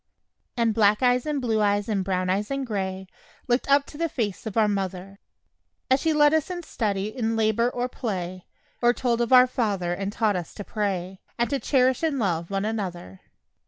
And black eyes and blue eyes and brown eyes and gray Looked up to the face of our mother, As she led us in study in labor or play, Or told of "Our Father," and taught us to pray, And to cherish and love one another.